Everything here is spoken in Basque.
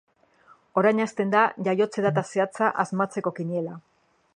Orain hasten da jaiotze data zehatza asmatzeko kiniela.